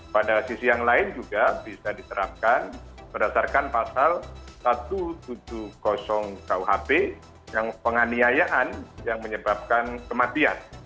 pada sisi yang lain juga bisa diterapkan berdasarkan pasal satu ratus tujuh puluh kuhp yang penganiayaan yang menyebabkan kematian